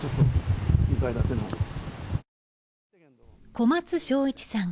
小松昭一さん